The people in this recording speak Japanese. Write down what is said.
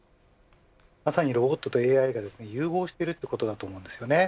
まさにロボットとＡＩが融合しているということだと思うんです。